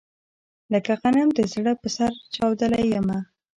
لکه غنم د زړه په سر چاودلی يمه